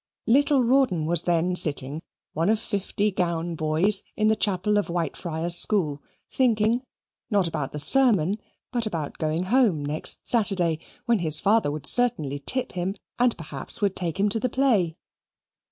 Little Rawdon was then sitting, one of fifty gown boys, in the Chapel of Whitefriars School, thinking, not about the sermon, but about going home next Saturday, when his father would certainly tip him and perhaps would take him to the play.